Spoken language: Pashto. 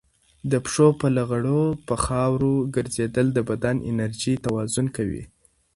د پښو په لغړو په خاورو ګرځېدل د بدن انرژي توازن کوي.